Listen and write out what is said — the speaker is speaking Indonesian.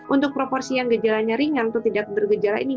untuk proporsi yang gejalanya ringan atau tidak bergejala ini